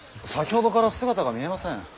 先ほどから姿が見えません。